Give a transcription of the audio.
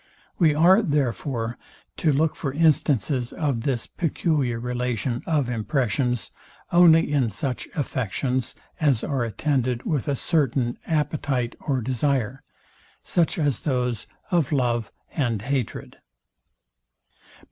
We are, therefore, to look for instances of this peculiar relation of impressions only in such affections, as are attended with a certain appetite or desire; such as those of love and hatred.